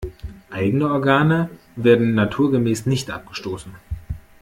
Eigene Organe werden naturgemäß nicht abgestoßen.